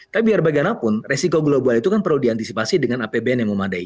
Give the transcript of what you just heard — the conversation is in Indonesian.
tapi biar bagaimanapun resiko global itu kan perlu diantisipasi dengan apbn yang memadai